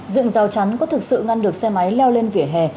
dựng rào chắn có thực sự ngăn được xe máy leo lên vỉa hè